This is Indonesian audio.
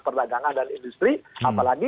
perdagangan dan industri apalagi